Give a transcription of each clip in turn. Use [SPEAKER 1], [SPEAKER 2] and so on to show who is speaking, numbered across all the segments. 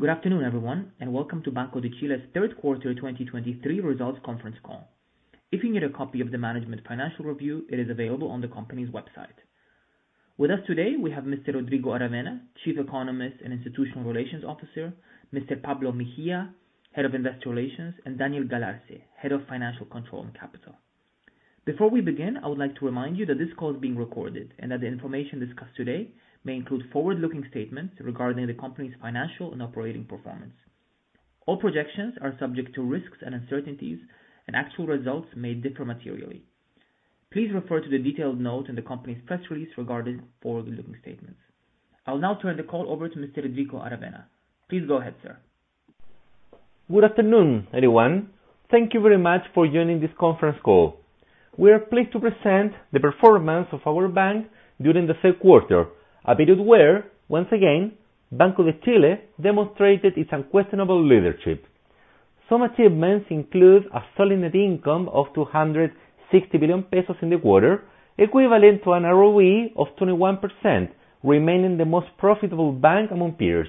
[SPEAKER 1] Good afternoon, everyone, and welcome to Banco de Chile's third quarter 2023 results conference call. If you need a copy of the management financial review, it is available on the company's website. With us today, we have Mr. Rodrigo Aravena, Chief Economist and Institutional Relations Officer, Mr. Pablo Mejía, Head of Investor Relations, and Daniel Galarce, Head of Financial Control and Capital. Before we begin, I would like to remind you that this call is being recorded, and that the information discussed today may include forward-looking statements regarding the company's financial and operating performance. All projections are subject to risks and uncertainties, and actual results may differ materially. Please refer to the detailed note in the company's press release regarding forward-looking statements. I'll now turn the call over to Mr. Rodrigo Aravena. Please go ahead, sir.
[SPEAKER 2] Good afternoon, everyone. Thank you very much for joining this conference call. We are pleased to present the performance of our bank during the third quarter, a period where, once again, Banco de Chile demonstrated its unquestionable leadership. Some achievements include a solid net income of 260 billion pesos in the quarter, equivalent to an ROE of 21%, remaining the most profitable bank among peers.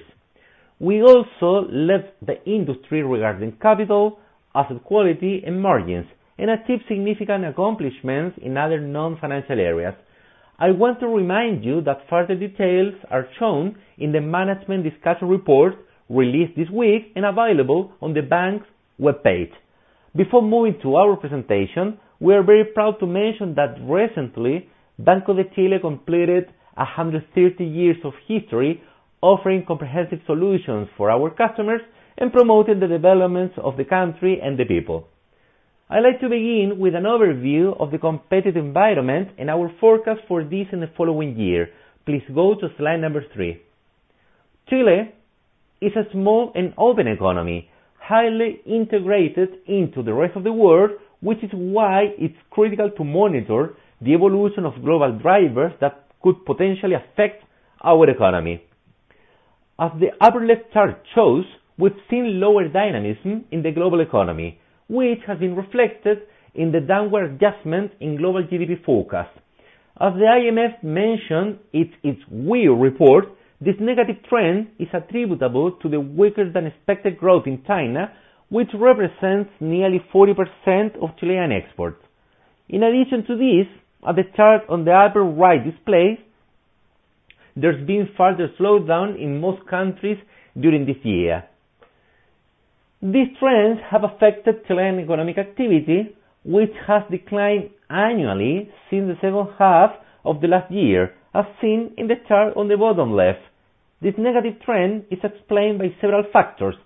[SPEAKER 2] We also led the industry regarding capital, asset quality, and margins, and achieved significant accomplishments in other non-financial areas. I want to remind you that further details are shown in the Management Discussion Report released this week and available on the bank's webpage. Before moving to our presentation, we are very proud to mention that recently, Banco de Chile completed 130 years of history, offering comprehensive solutions for our customers and promoting the development of the country and the people. I'd like to begin with an overview of the competitive environment and our forecast for this and the following year. Please go to slide number 3. Chile is a small and open economy, highly integrated into the rest of the world, which is why it's critical to monitor the evolution of global drivers that could potentially affect our economy. As the upper left chart shows, we've seen lower dynamism in the global economy, which has been reflected in the downward adjustment in global GDP forecast. As the IMF mentioned in its WEO report, this negative trend is attributable to the weaker-than-expected growth in China, which represents nearly 40% of Chilean exports. In addition to this, as the chart on the upper right displays, there's been further slowdown in most countries during this year. These trends have affected Chilean economic activity, which has declined annually since the second half of the last year, as seen in the chart on the bottom left. This negative trend is explained by several factors,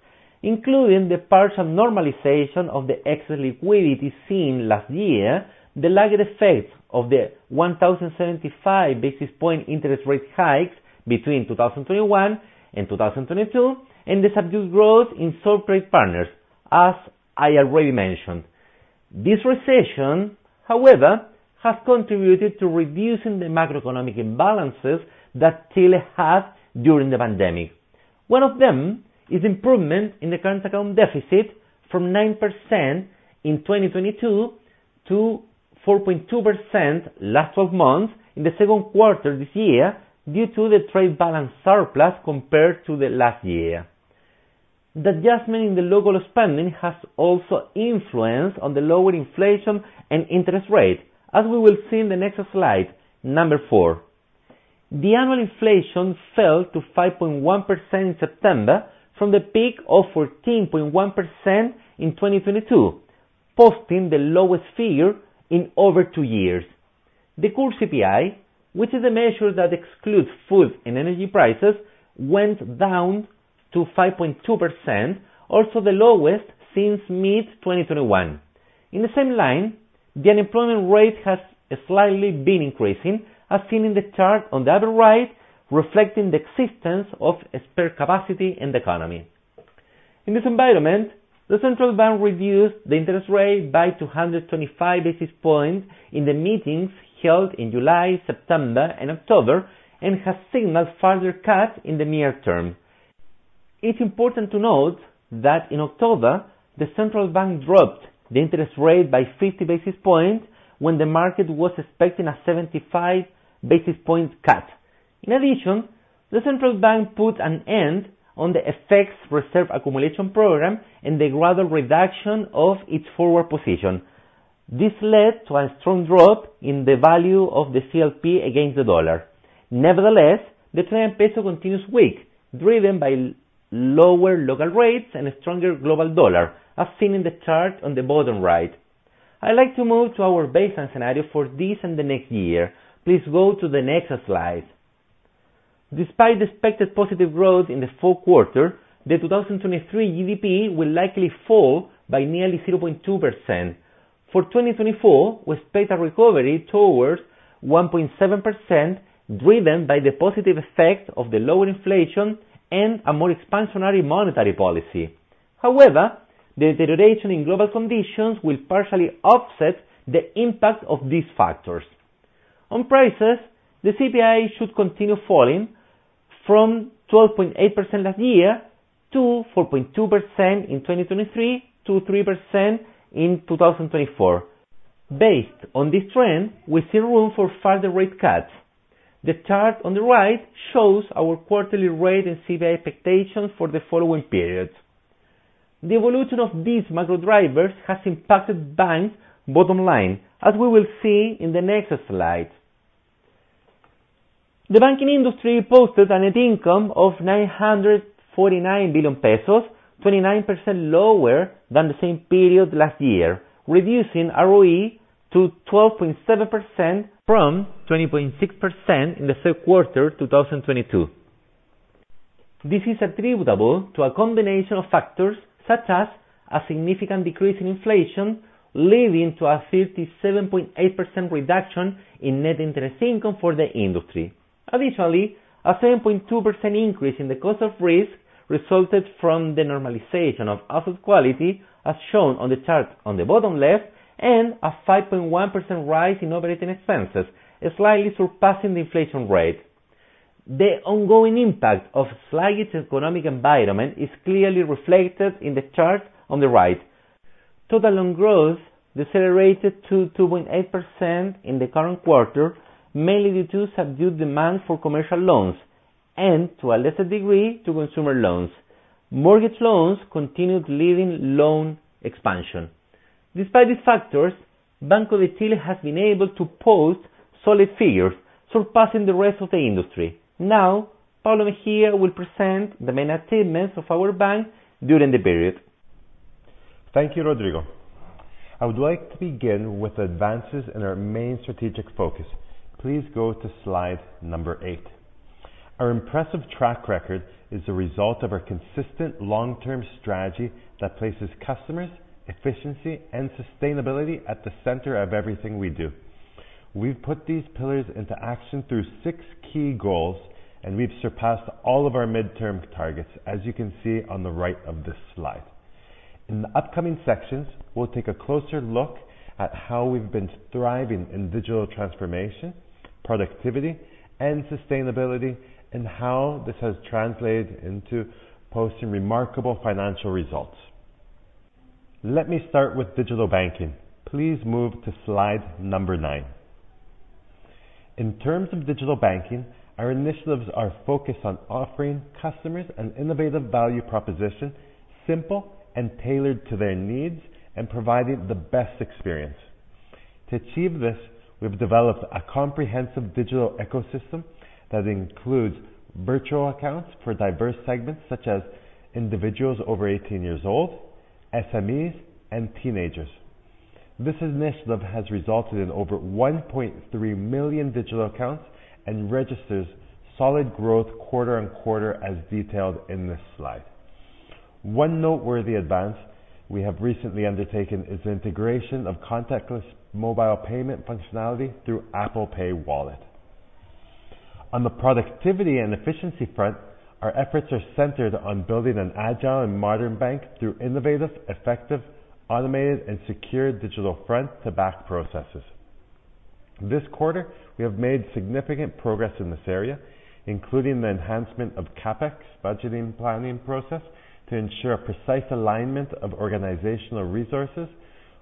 [SPEAKER 2] including the partial normalization of the excess liquidity seen last year, the lagged effect of the 1,075 basis point interest rate hikes between 2021 and 2022, and the subdued growth in Chile's trade partners, as I already mentioned. This recession, however, has contributed to reducing the macroeconomic imbalances that Chile had during the pandemic. One of them is improvement in the current account deficit from 9% in 2022 to 4.2% last twelve months in the second quarter this year, due to the trade balance surplus compared to the last year. The adjustment in the local spending has also influenced on the lower inflation and interest rate, as we will see in the next slide, number 4. The annual inflation fell to 5.1% in September from the peak of 14.1% in 2022, posting the lowest figure in over two years. The core CPI, which is a measure that excludes food and energy prices, went down to 5.2%, also the lowest since mid-2021. In the same line, the unemployment rate has slightly been increasing, as seen in the chart on the upper right, reflecting the existence of spare capacity in the economy. In this environment, the Central Bank reduced the interest rate by 225 basis points in the meetings held in July, September, and October, and has signaled further cut in the near term. It's important to note that in October, the Central Bank dropped the interest rate by 50 basis points when the market was expecting a 75 basis point cut. In addition, the Central Bank put an end to the FX reserve accumulation program and the gradual reduction of its forward position. This led to a strong drop in the value of the CLP against the dollar. Nevertheless, the Chilean peso continues weak, driven by lower local rates and a stronger global dollar, as seen in the chart on the bottom right. I'd like to move to our baseline scenario for this and the next year. Please go to the next slide. Despite the expected positive growth in the fourth quarter, the 2023 GDP will likely fall by nearly 0.2%. For 2024, we expect a recovery towards 1.7%, driven by the positive effect of the lower inflation and a more expansionary monetary policy. However, the deterioration in global conditions will partially offset the impact of these factors. On prices, the CPI should continue falling from 12.8% last year to 4.2% in 2023, to 3% in 2024. Based on this trend, we see room for further rate cuts.... The chart on the right shows our quarterly rate and CPI expectations for the following periods. The evolution of these macro drivers has impacted bank bottom line, as we will see in the next slide. The banking industry posted a net income of 949 billion pesos, 29% lower than the same period last year, reducing ROE to 12.7% from 20.6% in the third quarter 2022. This is attributable to a combination of factors, such as a significant decrease in inflation, leading to a 37.8% reduction in net interest income for the industry. Additionally, a 7.2% increase in the cost of risk resulted from the normalization of asset quality, as shown on the chart on the bottom left, and a 5.1% rise in operating expenses, slightly surpassing the inflation rate. The ongoing impact of sluggish economic environment is clearly reflected in the chart on the right. Total loan growth decelerated to 2.8% in the current quarter, mainly due to subdued demand for commercial loans and, to a lesser degree, to consumer loans. Mortgage loans continued leading loan expansion. Despite these factors, Banco de Chile has been able to post solid figures, surpassing the rest of the industry. Now, Pablo here will present the main achievements of our bank during the period.
[SPEAKER 3] Thank you, Rodrigo. I would like to begin with advances in our main strategic focus. Please go to slide number eight. Our impressive track record is a result of our consistent long-term strategy that places customers, efficiency, and sustainability at the center of everything we do. We've put these pillars into action through six key goals, and we've surpassed all of our midterm targets, as you can see on the right of this slide. In the upcoming sections, we'll take a closer look at how we've been thriving in digital transformation, productivity, and sustainability, and how this has translated into posting remarkable financial results. Let me start with digital banking. Please move to slide number nine. In terms of digital banking, our initiatives are focused on offering customers an innovative value proposition, simple and tailored to their needs, and providing the best experience. To achieve this, we've developed a comprehensive digital ecosystem that includes virtual accounts for diverse segments, such as individuals over 18 years old, SMEs, and teenagers. This initiative has resulted in over 1.3 million digital accounts and registers solid growth quarter-on-quarter, as detailed in this slide. One noteworthy advance we have recently undertaken is the integration of contactless mobile payment functionality through Apple Pay Wallet. On the productivity and efficiency front, our efforts are centered on building an agile and modern bank through innovative, effective, automated, and secure digital front-to-back processes. This quarter, we have made significant progress in this area, including the enhancement of CapEx budgeting planning process to ensure a precise alignment of organizational resources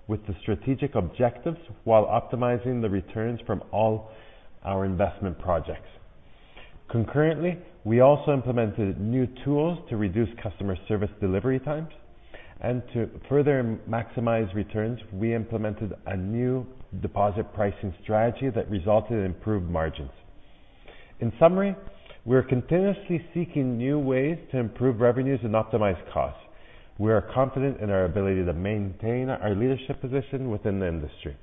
[SPEAKER 3] with the strategic objectives, while optimizing the returns from all our investment projects. Concurrently, we also implemented new tools to reduce customer service delivery times, and to further maximize returns, we implemented a new deposit pricing strategy that resulted in improved margins. In summary, we are continuously seeking new ways to improve revenues and optimize costs. We are confident in our ability to maintain our leadership position within the industry.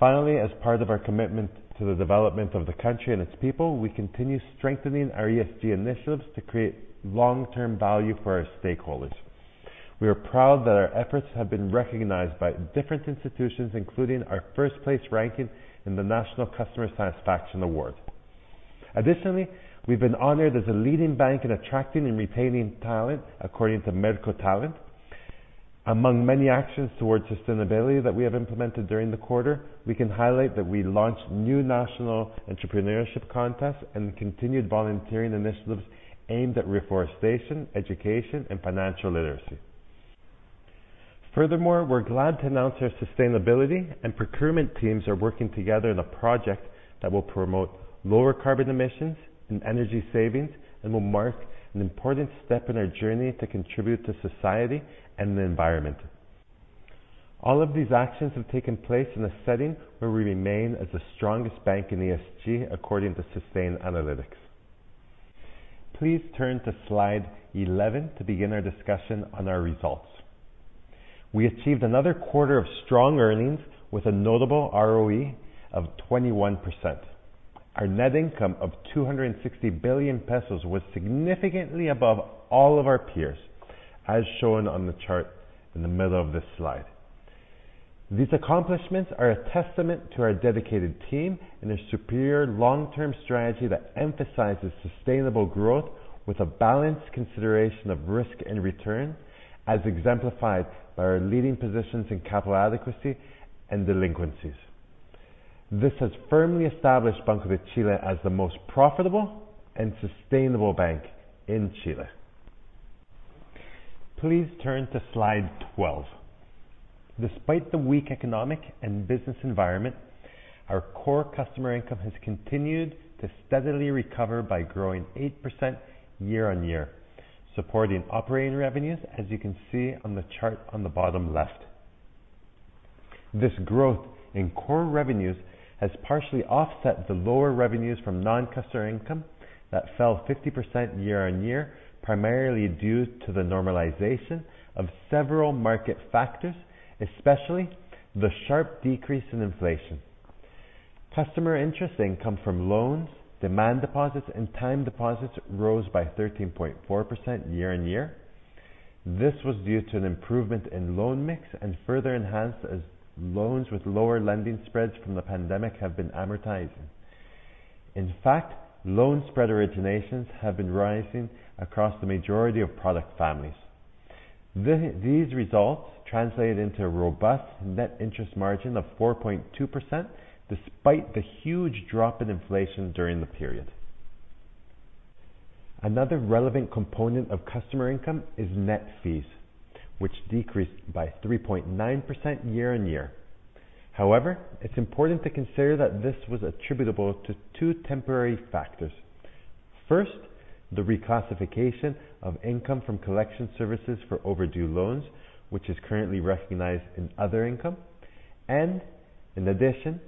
[SPEAKER 3] Finally, as part of our commitment to the development of the country and its people, we continue strengthening our ESG initiatives to create long-term value for our stakeholders. We are proud that our efforts have been recognized by different institutions, including our first-place ranking in the National Customer Satisfaction Award. Additionally, we've been honored as a leading bank in attracting and retaining talent, according to Merco Talento. Among many actions towards sustainability that we have implemented during the quarter, we can highlight that we launched new national entrepreneurship contests and continued volunteering initiatives aimed at reforestation, education, and financial literacy. Furthermore, we're glad to announce our sustainability and procurement teams are working together on a project that will promote lower carbon emissions and energy savings, and will mark an important step in our journey to contribute to society and the environment. All of these actions have taken place in a setting where we remain as the strongest bank in ESG, according to Sustainalytics. Please turn to slide 11 to begin our discussion on our results. We achieved another quarter of strong earnings with a notable ROE of 21%. Our net income of 260 billion pesos was significantly above all of our peers, as shown on the chart in the middle of this slide. These accomplishments are a testament to our dedicated team and a superior long-term strategy that emphasizes sustainable growth with a balanced consideration of risk and return, as exemplified by our leading positions in capital adequacy and delinquencies. This has firmly established Banco de Chile as the most profitable and sustainable bank in Chile. Please turn to slide 12. Despite the weak economic and business environment, our core customer income has continued to steadily recover by growing 8% year-on-year, supporting operating revenues, as you can see on the chart on the bottom left. This growth in core revenues has partially offset the lower revenues from non-customer income that fell 50% year-on-year, primarily due to the normalization of several market factors, especially the sharp decrease in inflation. Customer interest income from loans, demand deposits, and time deposits rose by 13.4% year-on-year. This was due to an improvement in loan mix and further enhanced as loans with lower lending spreads from the pandemic have been amortized. In fact, loan spread originations have been rising across the majority of product families. These results translate into a robust net interest margin of 4.2%, despite the huge drop in inflation during the period. Another relevant component of customer income is net fees, which decreased by 3.9% year-on-year. However, it's important to consider that this was attributable to two temporary factors. First, the reclassification of income from collection services for overdue loans, which is currently recognized in other income, and in addition,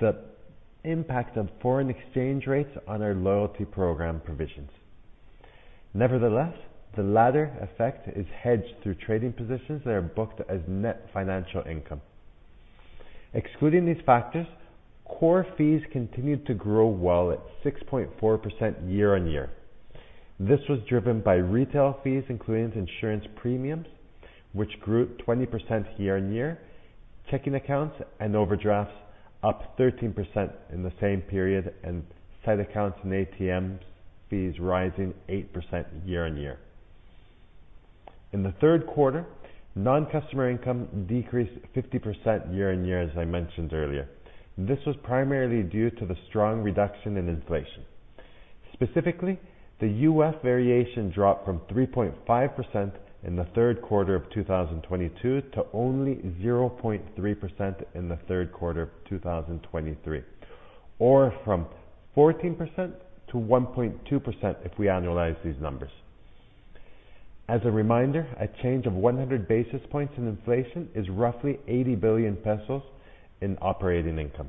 [SPEAKER 3] the impact of foreign exchange rates on our loyalty program provisions. Nevertheless, the latter effect is hedged through trading positions that are booked as net financial income. Excluding these factors, core fees continued to grow well at 6.4% year-on-year. This was driven by retail fees, including insurance premiums, which grew 20% year-on-year, checking accounts and overdrafts up 13% in the same period, and site accounts and ATMs fees rising 8% year-on-year. In the third quarter, non-customer income decreased 50% year-on-year, as I mentioned earlier. This was primarily due to the strong reduction in inflation. Specifically, the UF variation dropped from 3.5% in the third quarter of 2022 to only 0.3% in the third quarter of 2023, or from 14% to 1.2% if we annualize these numbers. As a reminder, a change of 100 basis points in inflation is roughly 80 billion pesos in operating income.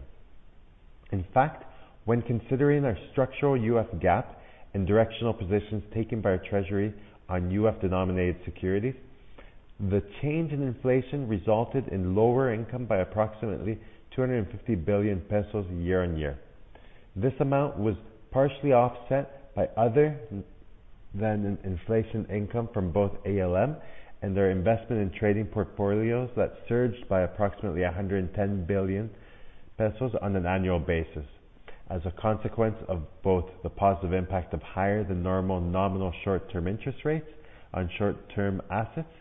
[SPEAKER 3] In fact, when considering our structural U.S. gap and directional positions taken by our treasury on U.S.-denominated securities, the change in inflation resulted in lower income by approximately 250 billion pesos year-on-year. This amount was partially offset by other than an inflation income from both ALM and their investment in trading portfolios that surged by approximately 110 billion pesos on an annual basis, as a consequence of both the positive impact of higher than normal nominal short-term interest rates on short-term assets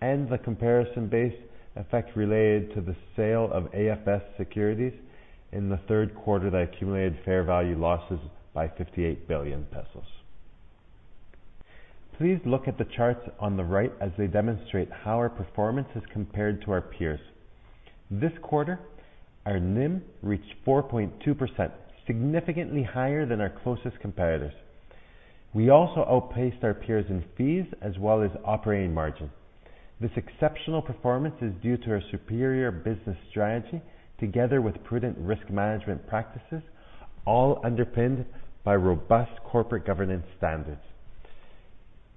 [SPEAKER 3] and the comparison-based effect related to the sale of AFS securities in the third quarter that accumulated fair value losses by 58 billion pesos. Please look at the charts on the right as they demonstrate how our performance is compared to our peers. This quarter, our NIM reached 4.2%, significantly higher than our closest competitors. We also outpaced our peers in fees as well as operating margin. This exceptional performance is due to our superior business strategy together with prudent risk management practices, all underpinned by robust corporate governance standards.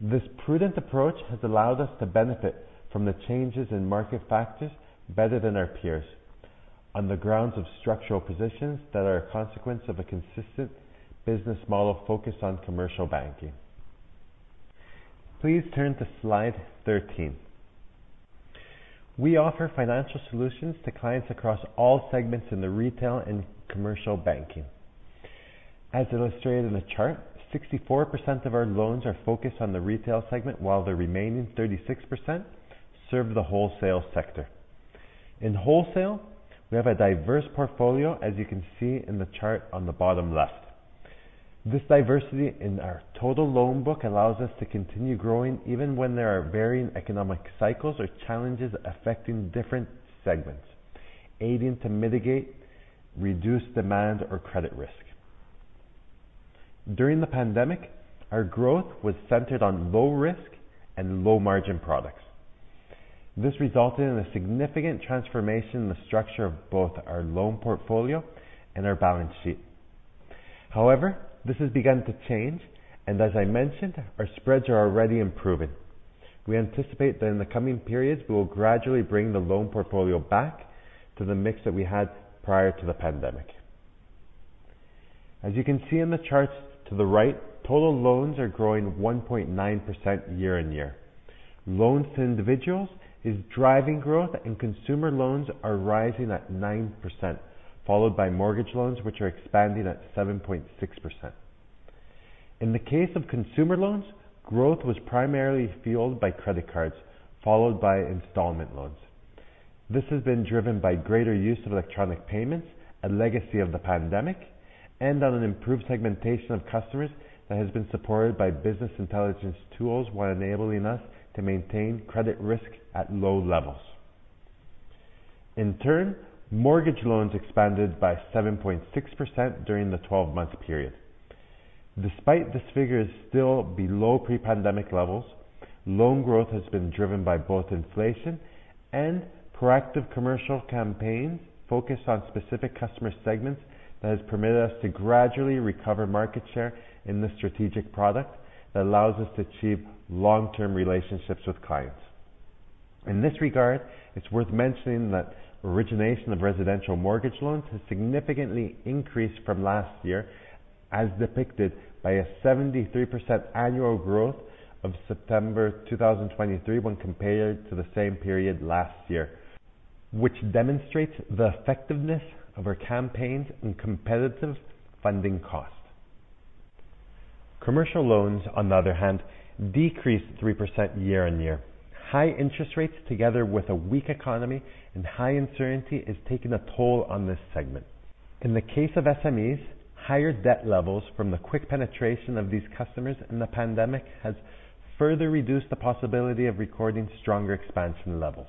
[SPEAKER 3] This prudent approach has allowed us to benefit from the changes in market factors better than our peers, on the grounds of structural positions that are a consequence of a consistent business model focused on commercial banking. Please turn to slide 13. We offer financial solutions to clients across all segments in the retail and commercial banking. As illustrated in the chart, 64% of our loans are focused on the retail segment, while the remaining 36% serve the wholesale sector. In wholesale, we have a diverse portfolio, as you can see in the chart on the bottom left. This diversity in our total loan book allows us to continue growing even when there are varying economic cycles or challenges affecting different segments, aiding to mitigate reduced demand or credit risk. During the pandemic, our growth was centered on low risk and low margin products. This resulted in a significant transformation in the structure of both our loan portfolio and our balance sheet. However, this has begun to change, and as I mentioned, our spreads are already improving. We anticipate that in the coming periods, we will gradually bring the loan portfolio back to the mix that we had prior to the pandemic. As you can see in the charts to the right, total loans are growing 1.9% year-on-year. Loans to individuals is driving growth, and consumer loans are rising at 9%, followed by mortgage loans, which are expanding at 7.6%. In the case of consumer loans, growth was primarily fueled by credit cards, followed by installment loans. This has been driven by greater use of electronic payments, a legacy of the pandemic, and on an improved segmentation of customers that has been supported by business intelligence tools, while enabling us to maintain credit risk at low levels. In turn, mortgage loans expanded by 7.6% during the 12-month period. Despite this figure is still below pre-pandemic levels, loan growth has been driven by both inflation and proactive commercial campaigns focused on specific customer segments that has permitted us to gradually recover market share in this strategic product that allows us to achieve long-term relationships with clients. In this regard, it's worth mentioning that origination of residential mortgage loans has significantly increased from last year, as depicted by a 73% annual growth of September 2023 when compared to the same period last year, which demonstrates the effectiveness of our campaigns and competitive funding costs. Commercial loans, on the other hand, decreased 3% year-on-year. High interest rates, together with a weak economy and high uncertainty, is taking a toll on this segment. In the case of SMEs, higher debt levels from the quick penetration of these customers in the pandemic has further reduced the possibility of recording stronger expansion levels.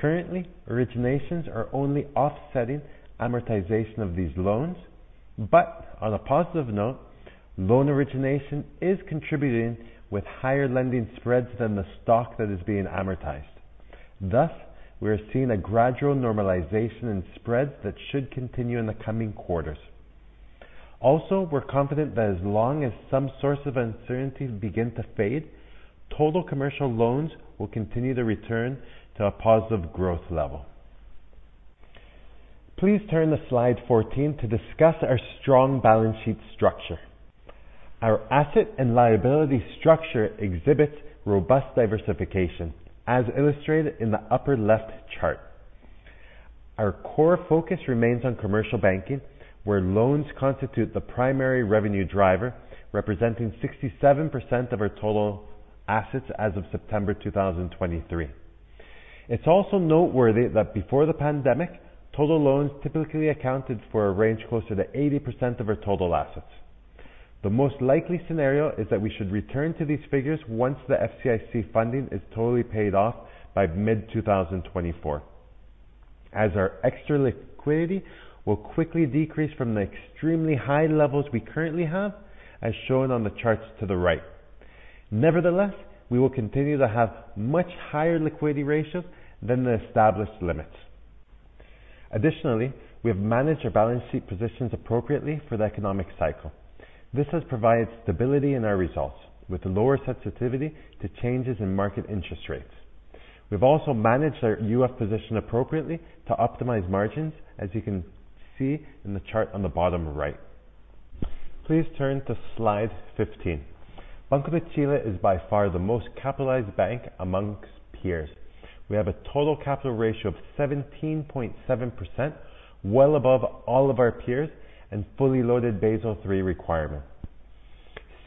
[SPEAKER 3] Currently, originations are only offsetting amortization of these loans, but on a positive note, loan origination is contributing with higher lending spreads than the stock that is being amortized. Thus, we are seeing a gradual normalization in spreads that should continue in the coming quarters. Also, we're confident that as long as some source of uncertainties begin to fade, total commercial loans will continue to return to a positive growth level. Please turn to slide 14 to discuss our strong balance sheet structure. Our asset and liability structure exhibits robust diversification, as illustrated in the upper left chart. Our core focus remains on commercial banking, where loans constitute the primary revenue driver, representing 67% of our total assets as of September 2023. It's also noteworthy that before the pandemic, total loans typically accounted for a range closer to 80% of our total assets. The most likely scenario is that we should return to these figures once the FCIC funding is totally paid off by mid-2024, as our extra liquidity will quickly decrease from the extremely high levels we currently have, as shown on the charts to the right. Nevertheless, we will continue to have much higher liquidity ratios than the established limits. Additionally, we have managed our balance sheet positions appropriately for the economic cycle. This has provided stability in our results with lower sensitivity to changes in market interest rates. We've also managed our UF position appropriately to optimize margins, as you can see in the chart on the bottom right. Please turn to slide 15. Banco de Chile is by far the most capitalized bank among peers. We have a total capital ratio of 17.7%, well above all of our peers and fully loaded Basel III requirements.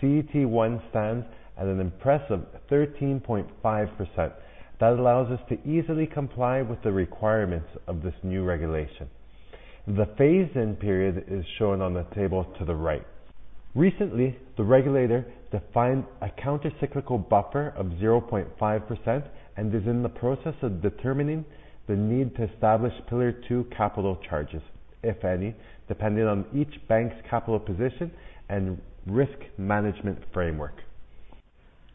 [SPEAKER 3] CET1 stands at an impressive 13.5% that allows us to easily comply with the requirements of this new regulation. The phase-in period is shown on the table to the right. Recently, the regulator defined a countercyclical buffer of 0.5% and is in the process of determining the need to establish Pillar Two capital charges, if any, depending on each bank's capital position and risk management framework.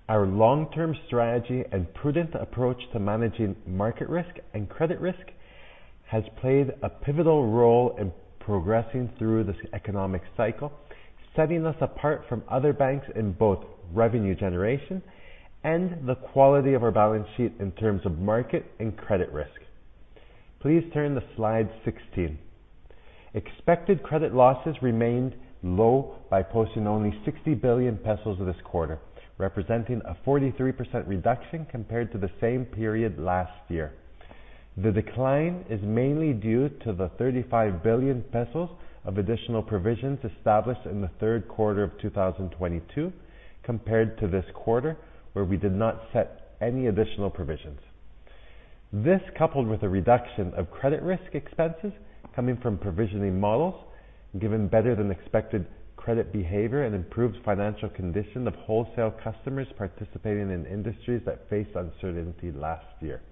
[SPEAKER 3] Our long-term strategy and prudent approach to managing market risk and credit risk has played a pivotal role in progressing through this economic cycle, setting us apart from other banks in both revenue generation and the quality of our balance sheet in terms of market and credit risk. Please turn to slide 16. Expected credit losses remained low by posting only 60 billion pesos this quarter, representing a 43% reduction compared to the same period last year. The decline is mainly due to the 35 billion pesos of additional provisions established in the third quarter of 2022 compared to this quarter, where we did not set any additional provisions. This, coupled with a reduction of credit risk expenses coming from provisioning models, given better than expected credit behavior and improved financial condition of wholesale customers participating in industries that faced uncertainty last year.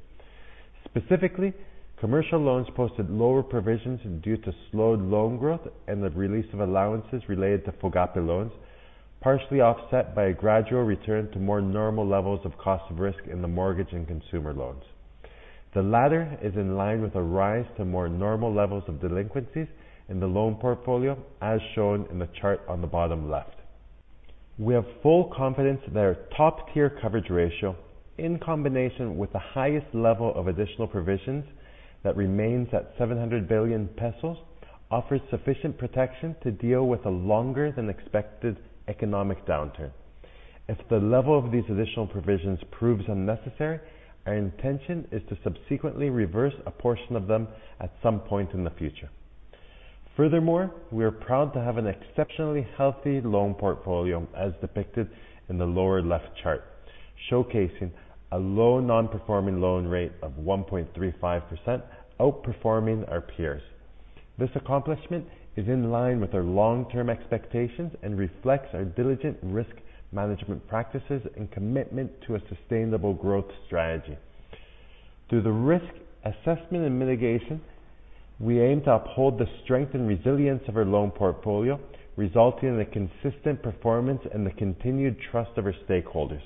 [SPEAKER 3] Specifically, commercial loans posted lower provisions due to slowed loan growth and the release of allowances related to Fogape loans, partially offset by a gradual return to more normal levels of cost of risk in the mortgage and consumer loans. The latter is in line with a rise to more normal levels of delinquencies in the loan portfolio, as shown in the chart on the bottom left. We have full confidence that our top-tier coverage ratio, in combination with the highest level of additional provisions that remains at 700 billion pesos, offers sufficient protection to deal with a longer than expected economic downturn. If the level of these additional provisions proves unnecessary, our intention is to subsequently reverse a portion of them at some point in the future… Furthermore, we are proud to have an exceptionally healthy loan portfolio, as depicted in the lower left chart, showcasing a low non-performing loan rate of 1.35%, outperforming our peers. This accomplishment is in line with our long-term expectations and reflects our diligent risk management practices and commitment to a sustainable growth strategy. Through the risk assessment and mitigation, we aim to uphold the strength and resilience of our loan portfolio, resulting in a consistent performance and the continued trust of our stakeholders.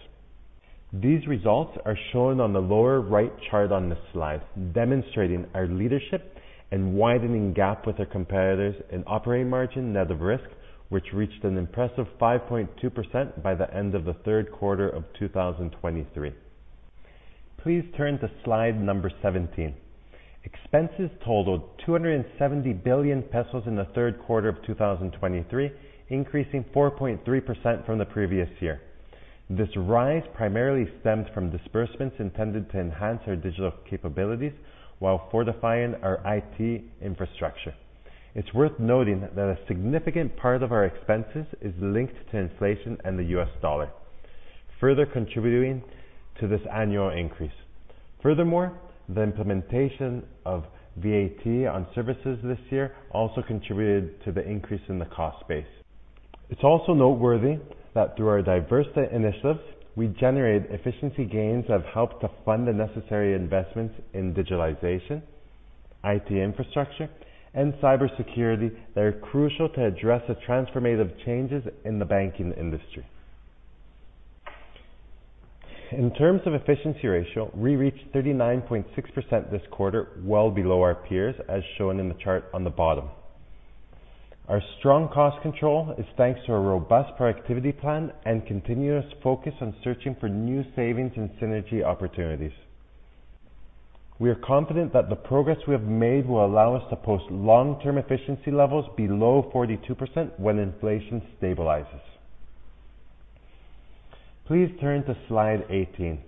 [SPEAKER 3] These results are shown on the lower right chart on this slide, demonstrating our leadership and widening gap with our competitors in operating margin net of risk, which reached an impressive 5.2% by the end of the third quarter of 2023. Please turn to slide 17. Expenses totaled 270 billion pesos in the third quarter of 2023, increasing 4.3% from the previous year. This rise primarily stems from disbursements intended to enhance our digital capabilities while fortifying our IT infrastructure. It's worth noting that a significant part of our expenses is linked to inflation and the U.S. dollar, further contributing to this annual increase. Furthermore, the implementation of VAT on services this year also contributed to the increase in the cost base. It's also noteworthy that through our diverse initiatives, we generated efficiency gains that have helped to fund the necessary investments in digitalization, IT infrastructure, and cybersecurity that are crucial to address the transformative changes in the banking industry. In terms of efficiency ratio, we reached 39.6% this quarter, well below our peers, as shown in the chart on the bottom. Our strong cost control is thanks to our robust productivity plan and continuous focus on searching for new savings and synergy opportunities. We are confident that the progress we have made will allow us to post long-term efficiency levels below 42% when inflation stabilizes. Please turn to slide 18.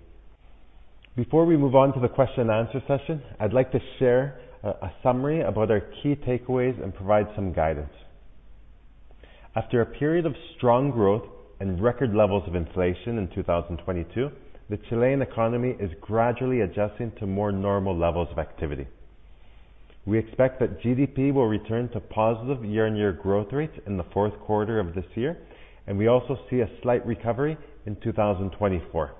[SPEAKER 3] Before we move on to the question and answer session, I'd like to share a summary about our key takeaways and provide some guidance. After a period of strong growth and record levels of inflation in 2022, the Chilean economy is gradually adjusting to more normal levels of activity. We expect that GDP will return to positive year-on-year growth rates in the fourth quarter of this year, and we also see a slight recovery in 2024.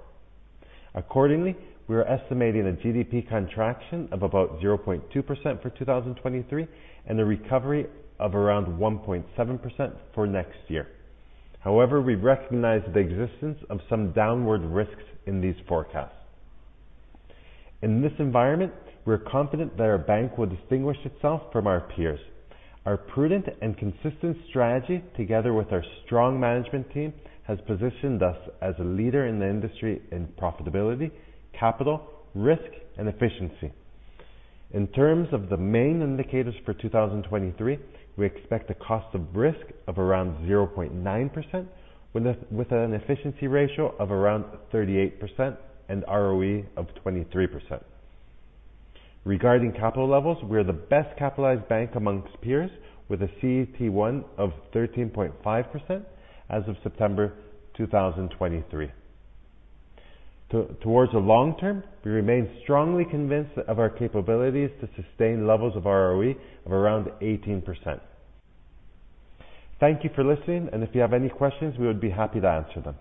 [SPEAKER 3] Accordingly, we are estimating a GDP contraction of about 0.2% for 2023, and a recovery of around 1.7% for next year. However, we recognize the existence of some downward risks in these forecasts. In this environment, we're confident that our bank will distinguish itself from our peers. Our prudent and consistent strategy, together with our strong management team, has positioned us as a leader in the industry in profitability, capital, risk, and efficiency. In terms of the main indicators for 2023, we expect a cost of risk of around 0.9%, with an efficiency ratio of around 38% and ROE of 23%. Regarding capital levels, we are the best capitalized bank amongst peers, with a CET1 of 13.5% as of September 2023. Towards the long term, we remain strongly convinced of our capabilities to sustain levels of ROE of around 18%. Thank you for listening, and if you have any questions, we would be happy to answer them.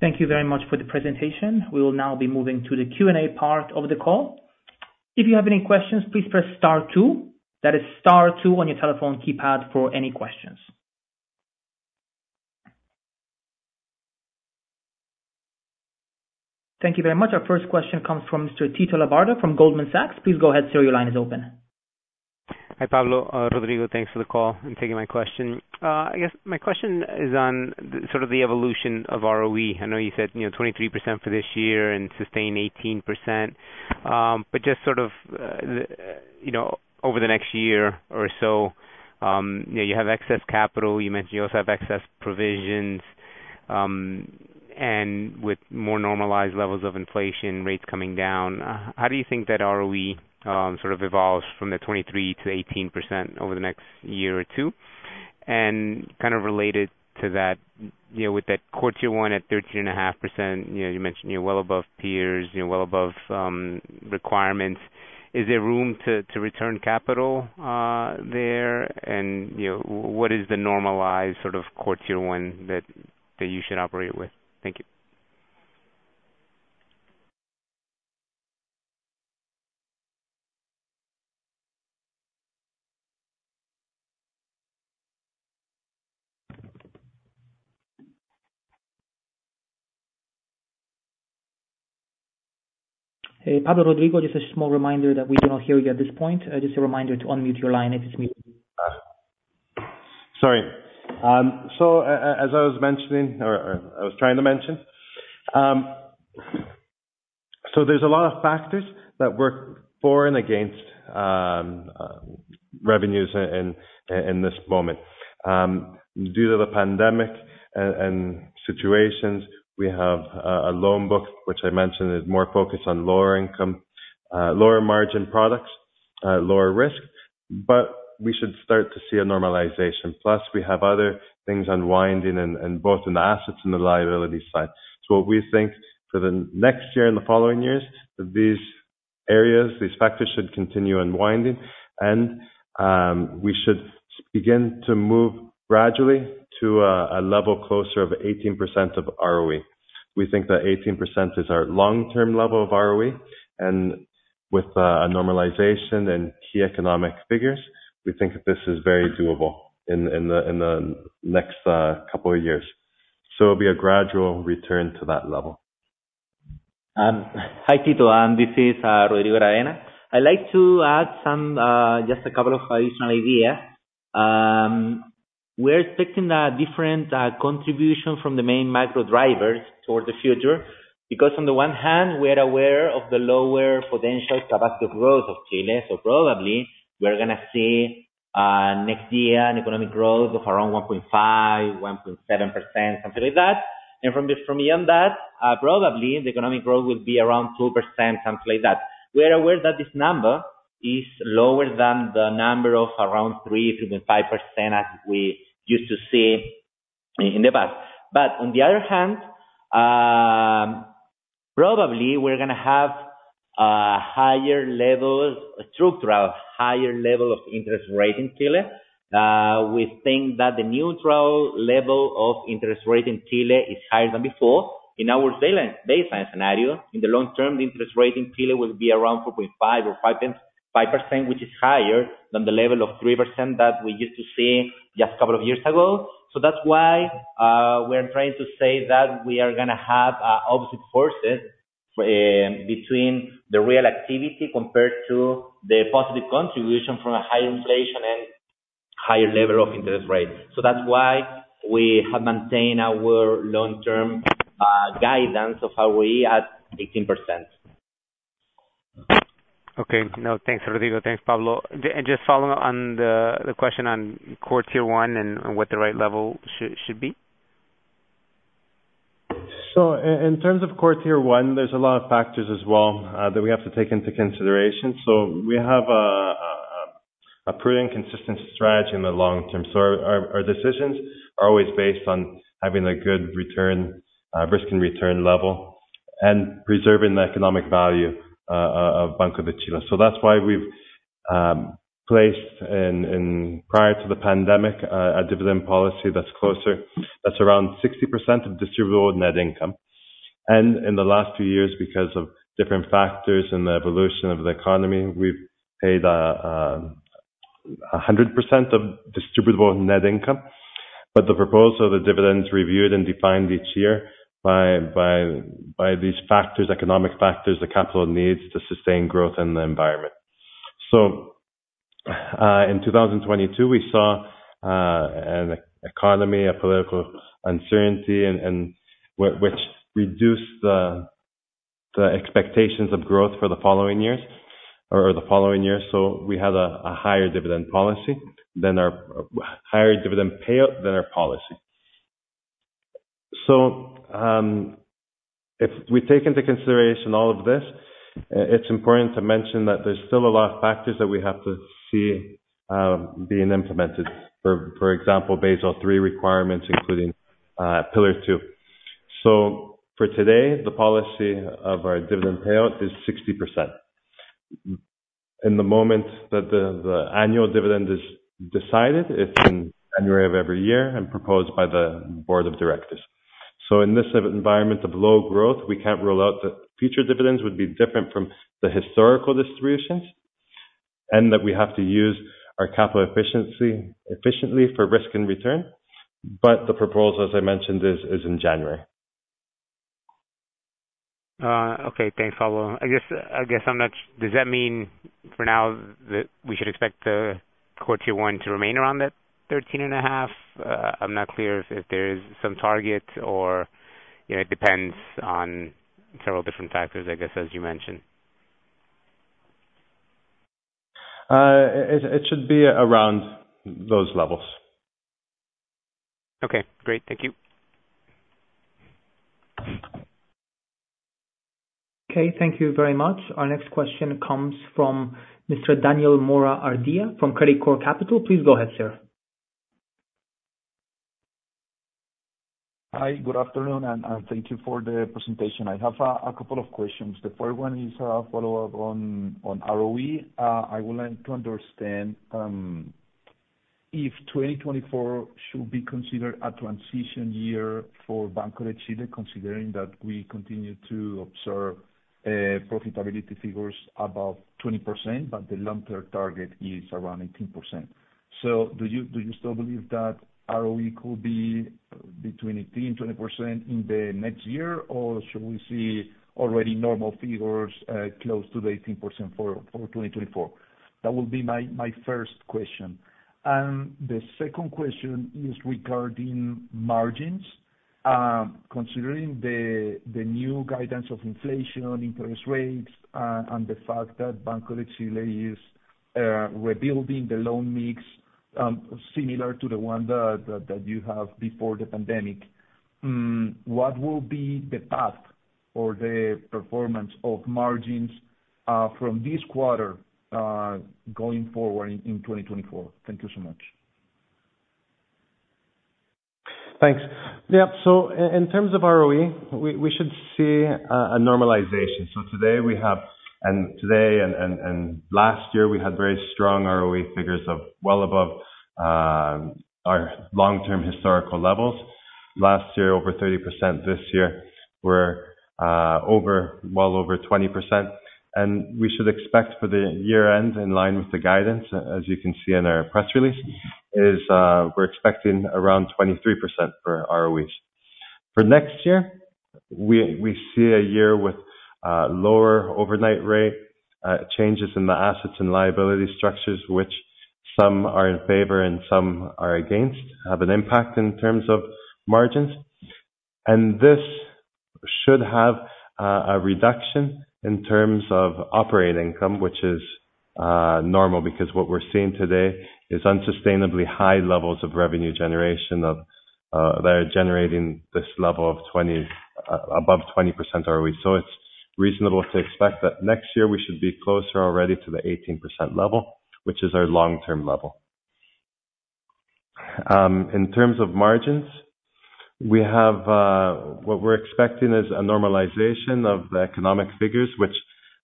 [SPEAKER 1] Thank you very much for the presentation. We will now be moving to the Q&A part of the call. If you have any questions, please press star two. That is star two on your telephone keypad for any questions. Thank you very much. Our first question comes from Mr. Tito Labarta from Goldman Sachs. Please go ahead, sir. Your line is open.
[SPEAKER 4] Hi, Pablo, Rodrigo, thanks for the call and taking my question. I guess my question is on the sort of the evolution of ROE. I know you said, you know, 23% for this year and sustained 18%. But just sort of, you know, over the next year or so, you know, you have excess capital. You mentioned you also have excess provisions, and with more normalized levels of inflation rates coming down, how do you think that ROE, sort of evolves from the 23% to 18% over the next year or two? And kind of related to that, you know, with that core tier one at 13.5%, you know, you mentioned you're well above peers, you're well above requirements. Is there room to return capital there? You know, what is the normalized sort of core tier one that you should operate with? Thank you.
[SPEAKER 1] Hey, Pablo, Rodrigo, just a small reminder that we cannot hear you at this point. Just a reminder to unmute your line if it's muted.
[SPEAKER 3] Sorry. So as I was mentioning or I was trying to mention, so there's a lot of factors that work for and against revenues in this moment....
[SPEAKER 5] Due to the pandemic and situations, we have a loan book, which I mentioned is more focused on lower income, lower margin products, lower risk, but we should start to see a normalization. Plus, we have other things unwinding and both in the assets and the liability side. So what we think for the next year and the following years, these areas, these factors should continue unwinding and we should begin to move gradually to a level closer of 18% of ROE. We think that 18% is our long-term level of ROE, and with a normalization in key economic figures, we think that this is very doable in the next couple of years. So it'll be a gradual return to that level.
[SPEAKER 2] Hi, Tito. This is Rodrigo Aravena. I'd like to add some just a couple of additional ideas. We're expecting a different contribution from the main macro drivers toward the future, because on the one hand, we are aware of the lower potential capacity growth of Chile. So probably we are gonna see next year an economic growth of around 1.5%-1.7%, something like that. And from beyond that, probably the economic growth will be around 2%, something like that. We are aware that this number is lower than the number of around 3%-5% as we used to see in the past. But on the other hand, probably we're gonna have higher levels through a higher level of interest rate in Chile. We think that the neutral level of interest rate in Chile is higher than before. In our baseline scenario, in the long term, the interest rate in Chile will be around 4.5% or 5.5%, which is higher than the level of 3% that we used to see just a couple of years ago. So that's why we are trying to say that we are gonna have opposite forces between the real activity compared to the positive contribution from a high inflation and higher level of interest rate. So that's why we have maintained our long-term guidance of ROE at 18%.
[SPEAKER 4] Okay. No, thanks, Rodrigo. Thanks, Pablo. Just following on the question on core Tier 1 and what the right level should be.
[SPEAKER 5] So in terms of core Tier One, there's a lot of factors as well that we have to take into consideration. So we have a pretty consistent strategy in the long term. So our decisions are always based on having a good return, risk and return level, and preserving the economic value of Banco de Chile. So that's why we've placed in prior to the pandemic a dividend policy that's closer, that's around 60% of distributable net income. And in the last two years, because of different factors and the evolution of the economy, we've paid 100% of distributable net income. But the proposal of the dividend is reviewed and defined each year by these factors, economic factors, the capital needs to sustain growth in the environment. So, in 2022, we saw an economy, a political uncertainty, and which reduced the expectations of growth for the following years or the following years. So we had a higher dividend policy than our higher dividend payout than our policy. So, if we take into consideration all of this, it's important to mention that there's still a lot of factors that we have to see being implemented. For example, Basel III requirements, including Pillar Two. So for today, the policy of our dividend payout is 60%. In the moment that the annual dividend is decided, it's in January of every year and proposed by the board of directors. So in this environment of low growth, we can't rule out that future dividends would be different from the historical distributions, and that we have to use our capital efficiency efficiently for risk and return. But the proposal, as I mentioned, is in January.
[SPEAKER 4] Okay, thanks, Pablo. I guess I'm not... Does that mean for now that we should expect the core Tier 1 to remain around that 13.5? I'm not clear if there is some target or, you know, it depends on several different factors, I guess, as you mentioned.
[SPEAKER 5] It should be around those levels.
[SPEAKER 4] Okay, great. Thank you.
[SPEAKER 1] Okay, thank you very much. Our next question comes from Mr. Daniel Mora Ardia from Credicorp Capital. Please go ahead, sir.
[SPEAKER 6] Hi, good afternoon, and, thank you for the presentation. I have, a couple of questions. The first one is a follow-up on, on ROE. I would like to understand, if 2024 should be considered a transition year for Banco de Chile, considering that we continue to observe, profitability figures above 20%, but the long-term target is around 18%. So do you, do you still believe that ROE could be between 18%-20% in the next year? Or should we see already normal figures, close to the 18% for, for 2024? That would be my, my first question. And the second question is regarding margins.... Considering the new guidance of inflation, interest rates, and the fact that Banco de Chile is rebuilding the loan mix, similar to the one that you have before the pandemic. What will be the path or the performance of margins, from this quarter, going forward in 2024? Thank you so much.
[SPEAKER 5] Thanks. Yeah, so in terms of ROE, we should see a normalization. So today we have and last year we had very strong ROE figures of well above our long-term historical levels. Last year, over 30%. This year we're over well over 20%, and we should expect for the year end, in line with the guidance, as you can see in our press release, we're expecting around 23% for ROEs. For next year, we see a year with lower overnight rate changes in the assets and liability structures, which some are in favor and some are against, have an impact in terms of margins. This should have a reduction in terms of operating income, which is normal, because what we're seeing today is unsustainably high levels of revenue generation that are generating this level of above 20% ROE. So it's reasonable to expect that next year we should be closer already to the 18% level, which is our long-term level. In terms of margins, we have... What we're expecting is a normalization of the economic figures, which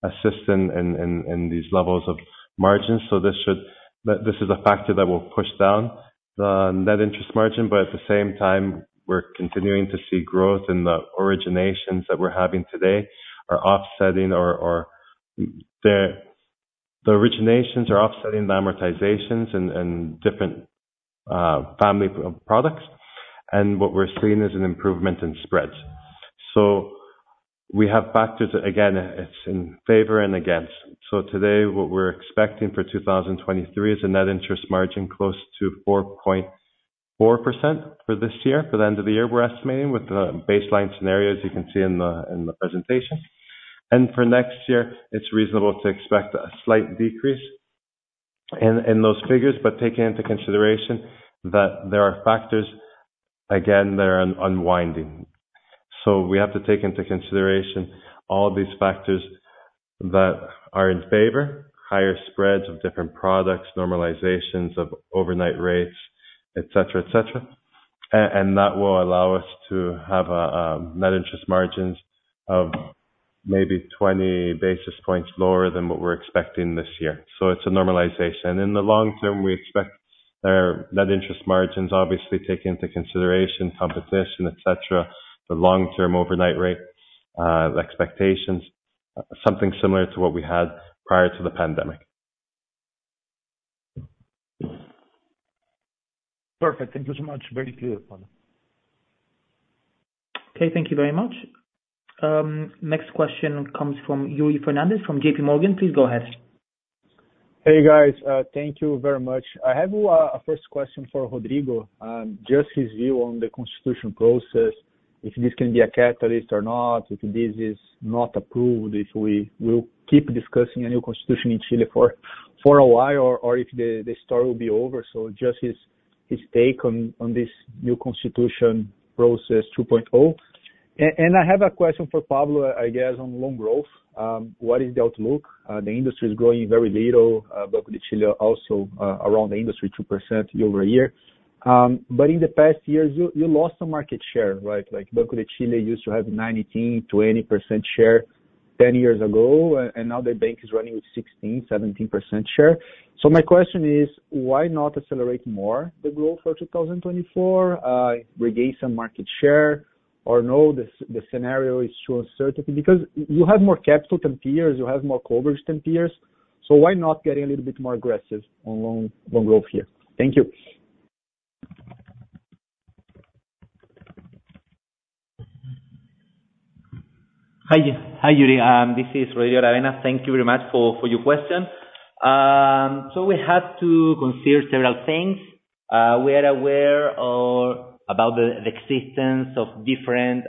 [SPEAKER 5] assist in these levels of margins. So this is a factor that will push down the net interest margin, but at the same time, we're continuing to see growth in the originations that we're having today are offsetting or the originations are offsetting the amortizations and different family products, and what we're seeing is an improvement in spreads. So we have factors, again, it's in favor and against. So today, what we're expecting for 2023 is a net interest margin close to 4.4% for this year. For the end of the year, we're estimating with the baseline scenario, as you can see in the presentation. And for next year, it's reasonable to expect a slight decrease in those figures, but taking into consideration that there are factors, again, that are unwinding. So we have to take into consideration all these factors that are in favor, higher spreads of different products, normalizations of overnight rates, et cetera, et cetera. And that will allow us to have a net interest margins of maybe 20 basis points lower than what we're expecting this year. So it's a normalization. In the long term, we expect our net interest margins, obviously, take into consideration competition, et cetera. The long term overnight rate expectations, something similar to what we had prior to the pandemic.
[SPEAKER 6] Perfect. Thank you so much. Very clear, Pablo.
[SPEAKER 1] Okay, thank you very much. Next question comes from Yuri Fernandes from JP Morgan. Please go ahead.
[SPEAKER 7] Hey, guys. Thank you very much. I have a first question for Rodrigo. Just his view on the constitution process, if this can be a catalyst or not, if this is not approved, if we will keep discussing a new constitution in Chile for a while, or if the story will be over. So just his take on this new constitution process 2.0. And I have a question for Pablo, I guess, on loan growth. What is the outlook? The industry is growing very little, but Chile also around the industry 2% year-over-year. But in the past years, you lost some market share, right? Like, Banco de Chile used to have 19%-20% share 10 years ago, and now the bank is running with 16%-17% share. My question is, why not accelerate more the growth for 2024? Regain some market share or no, the scenario is true uncertainty, because you have more capital than peers, you have more coverage than peers, so why not get a little bit more aggressive on loan growth here? Thank you.
[SPEAKER 2] Hi, Yuri. This is Rodrigo Aravena. Thank you very much for your question. So we have to consider several things. We are aware of about the existence of different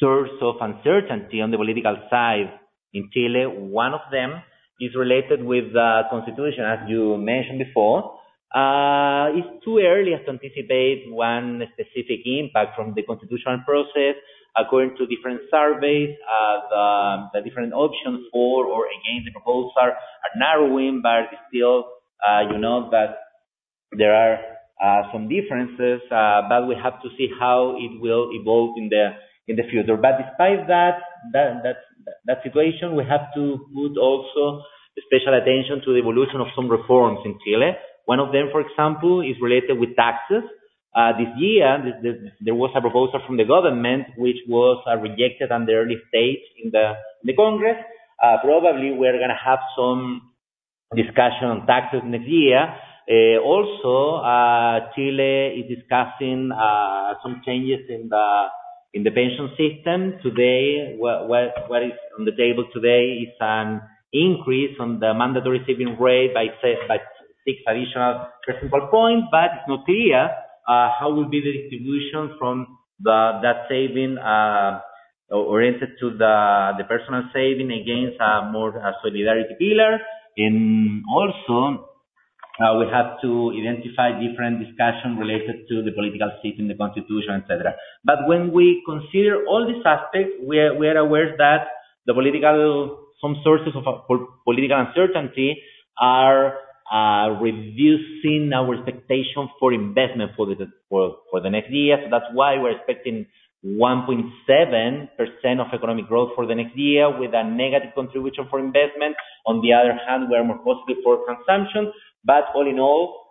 [SPEAKER 2] source of uncertainty on the political side in Chile. One of them is related with the constitution, as you mentioned before. It's too early to anticipate one specific impact from the constitutional process. According to different surveys, the different options for or against the proposals are narrowing, but still, you know, that there are some differences, but we have to see how it will evolve in the future. But despite that situation, we have to put also special attention to the evolution of some reforms in Chile. One of them, for example, is related with taxes. This year, the, there was a proposal from the government which was rejected on the early stage in the Congress. Probably we're gonna have some discussion on taxes next year. Also, Chile is discussing some changes in the pension system. Today, what is on the table today is an increase on the mandatory saving rate by 6 additional percentage points, but it's not clear how will be the distribution from that saving oriented to the personal saving against more solidarity pillar. Also, we have to identify different discussion related to the political seat in the constitution, et cetera. But when we consider all these aspects, we are aware that the political, some sources of political uncertainty are reducing our expectations for investment for the next year. So that's why we're expecting 1.7% of economic growth for the next year with a negative contribution for investment. On the other hand, we are more positive for consumption, but all in all,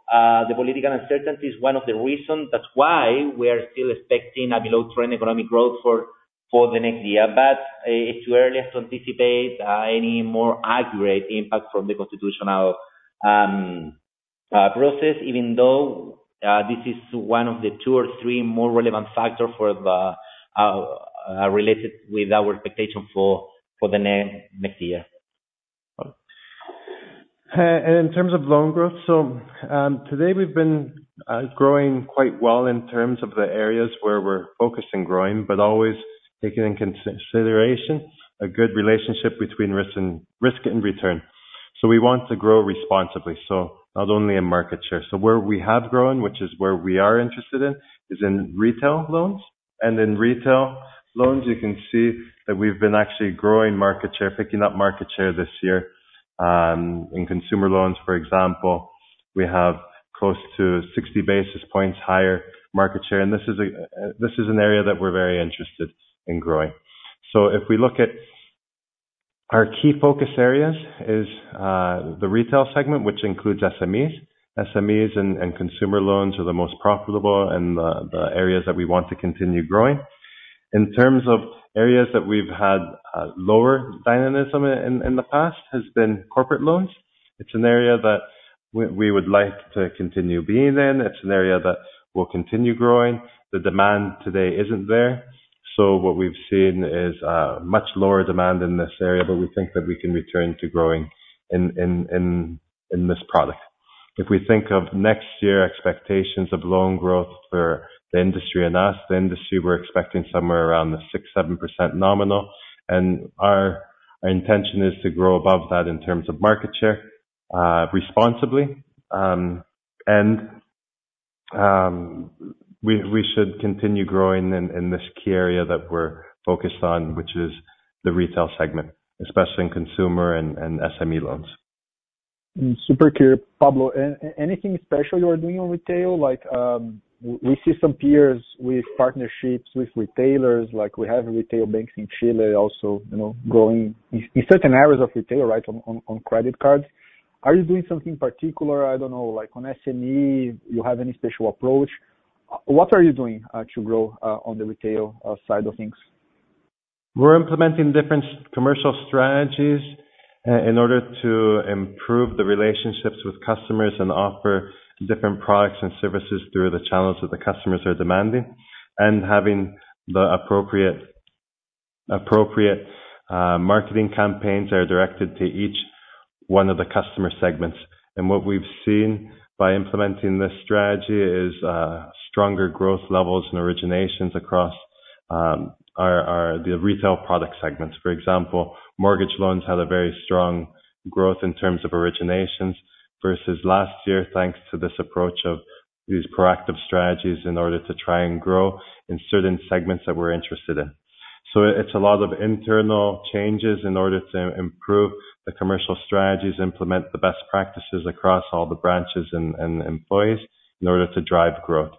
[SPEAKER 2] the political uncertainty is one of the reasons that's why we are still expecting a below trend economic growth for the next year. But, it's too early to anticipate any more accurate impact from the constitutional process, even though this is one of the two or three more relevant factor for the related with our expectation for the next year.
[SPEAKER 5] And in terms of loan growth, so, today we've been growing quite well in terms of the areas where we're focused and growing, but always taking into consideration a good relationship between risk and return. So we want to grow responsibly, so not only in market share. So where we have grown, which is where we are interested in, is in retail loans. And in retail loans, you can see that we've been actually growing market share, picking up market share this year. In consumer loans, for example, we have close to 60 basis points higher market share, and this is an area that we're very interested in growing. So if we look at our key focus areas is, the retail segment, which includes SMEs. SMEs and consumer loans are the most profitable and the areas that we want to continue growing. In terms of areas that we've had lower dynamism in in the past, has been corporate loans. It's an area that we would like to continue being in. It's an area that will continue growing. The demand today isn't there, so what we've seen is much lower demand in this area, but we think that we can return to growing in this product. If we think of next year expectations of loan growth for the industry and us, the industry, we're expecting somewhere around 6%-7% nominal, and our intention is to grow above that in terms of market share, responsibly. We should continue growing in this key area that we're focused on, which is the retail segment, especially in consumer and SME loans.
[SPEAKER 7] Super clear, Pablo. Anything special you are doing on retail? Like, we see some peers with partnerships with retailers, like we have retail banks in Chile also, you know, growing in certain areas of retail, right, on credit cards. Are you doing something particular? I don't know, like on SME, you have any special approach? What are you doing to grow on the retail side of things?
[SPEAKER 5] We're implementing different commercial strategies in order to improve the relationships with customers and offer different products and services through the channels that the customers are demanding, and having the appropriate, appropriate, marketing campaigns that are directed to each one of the customer segments. What we've seen by implementing this strategy is stronger growth levels and originations across our retail product segments. For example, mortgage loans had a very strong growth in terms of originations versus last year, thanks to this approach of these proactive strategies in order to try and grow in certain segments that we're interested in. So it's a lot of internal changes in order to improve the commercial strategies, implement the best practices across all the branches and employees, in order to drive growth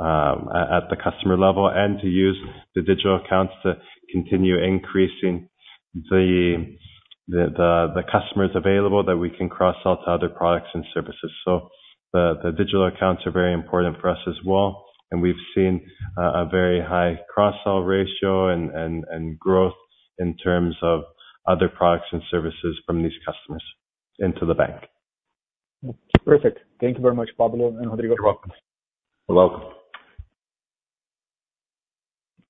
[SPEAKER 5] at the customer level, and to use the digital accounts to continue increasing the customers available that we can cross-sell to other products and services. So the digital accounts are very important for us as well, and we've seen a very high cross-sell ratio and growth in terms of other products and services from these customers into the bank.
[SPEAKER 7] Perfect. Thank you very much, Pablo and Rodrigo.
[SPEAKER 5] You're welcome. You're welcome.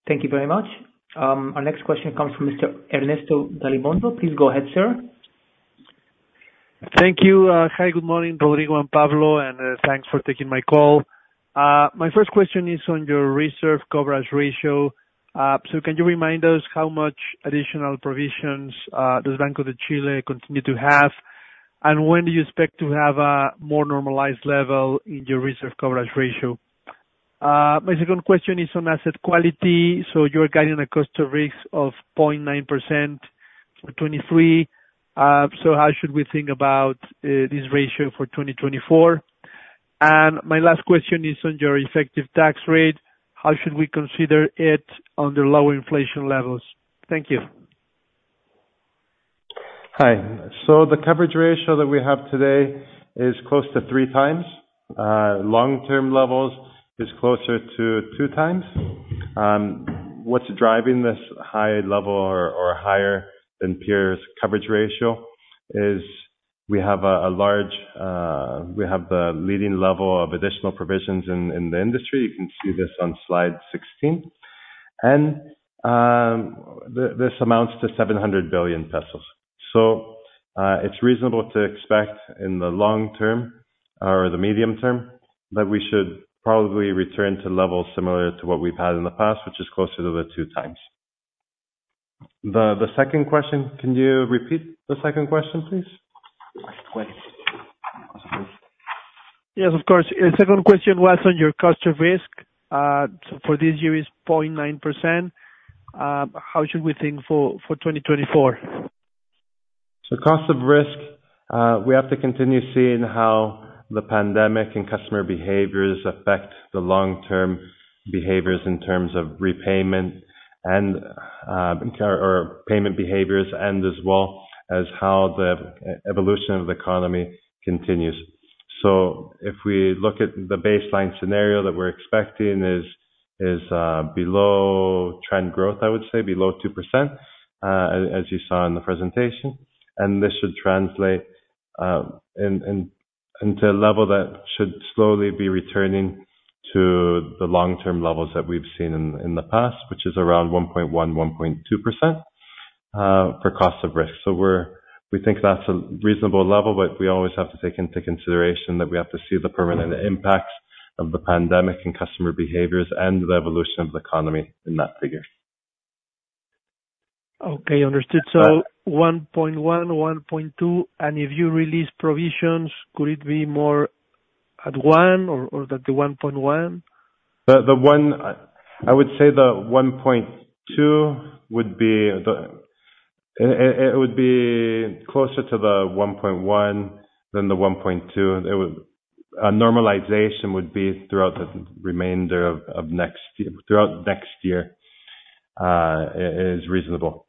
[SPEAKER 2] Thank you very much. Our next question comes from Mr. Ernesto Gabilondo. Please go ahead, sir.
[SPEAKER 8] Thank you. Hi, good morning, Rodrigo and Pablo, and thanks for taking my call. My first question is on your reserve coverage ratio. So can you remind us how much additional provisions does Banco de Chile continue to have? And when do you expect to have a more normalized level in your reserve coverage ratio? My second question is on asset quality. So you're guiding a cost to risk of 0.9% for 2023. So how should we think about this ratio for 2024? And my last question is on your effective tax rate. How should we consider it under lower inflation levels? Thank you.
[SPEAKER 5] Hi. So the coverage ratio that we have today is close to three times. Long-term levels is closer to two times. What's driving this high level or, or higher than peers' coverage ratio is. We have a large, we have the leading level of additional provisions in the industry. You can see this on slide 16. This amounts to 700 billion pesos. So, it's reasonable to expect in the long term or the medium term, that we should probably return to levels similar to what we've had in the past, which is closer to the two times. The second question, can you repeat the second question, please?
[SPEAKER 8] Yes, of course. The second question was on your cost of risk. So for this year is 0.9%. How should we think for, for 2024?
[SPEAKER 5] So cost of risk, we have to continue seeing how the pandemic and customer behaviors affect the long-term behaviors in terms of repayment and, or payment behaviors, and as well as how the evolution of the economy continues. So if we look at the baseline scenario that we're expecting is below trend growth, I would say below 2%, as you saw in the presentation. And this should translate into a level that should slowly be returning to the long-term levels that we've seen in the past, which is around 1.1%-1.2% for cost of risk. So we think that's a reasonable level, but we always have to take into consideration that we have to see the permanent impacts of the pandemic and customer behaviors and the evolution of the economy in that figure.
[SPEAKER 8] Okay, understood. So 1.1, 1.2, and if you release provisions, could it be more at 1 or, or at the 1.1?
[SPEAKER 5] The one... I would say the 1.2 would be the, it would be closer to the 1.1 than the 1.2. It would... A normalization would be throughout the remainder of next year, throughout next year, is reasonable.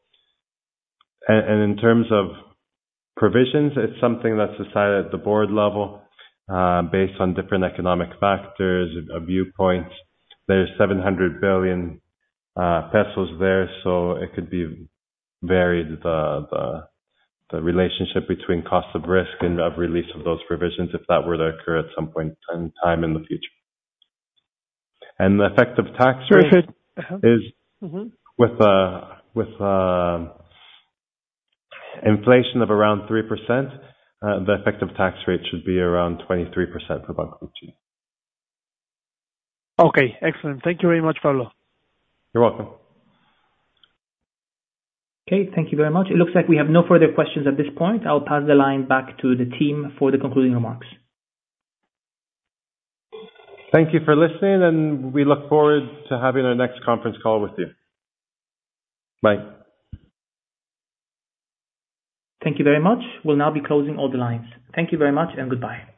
[SPEAKER 5] And in terms of provisions, it's something that's decided at the board level, based on different economic factors, viewpoints. There's 700 billion pesos there, so it could be varied, the relationship between cost of risk and the release of those provisions, if that were to occur at some point in time in the future. And the effective tax rate-
[SPEAKER 8] Perfect. Uh-huh.
[SPEAKER 5] This is with inflation of around 3%, the effective tax rate should be around 23% for Banco de Chile.
[SPEAKER 8] Okay, excellent. Thank you very much, Pablo.
[SPEAKER 5] You're welcome.
[SPEAKER 1] Okay, thank you very much. It looks like we have no further questions at this point. I'll pass the line back to the team for the concluding remarks.
[SPEAKER 5] Thank you for listening, and we look forward to having our next conference call with you. Bye.
[SPEAKER 1] Thank you very much. We'll now be closing all the lines. Thank you very much, and goodbye.